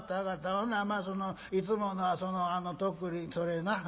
ほなまあそのいつものそのあの徳利それな。